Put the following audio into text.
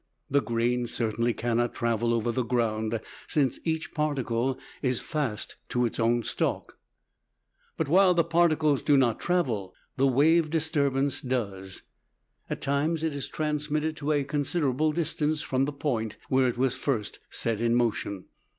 The grain certainly cannot travel over the ground, since each particle is fast to its own stalk. But while the particles do not travel, the wave disturbance does. At times it is transmitted to a considerable distance from the point where it was first set in motion.